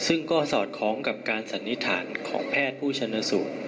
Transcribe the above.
ซึ่งก็สอดคล้องจากการสันนิทารสนิทราของแพทย์ผู้ชนะสูตร